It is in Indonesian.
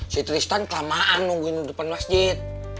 si tristan kelamaan nungguin di depan masjid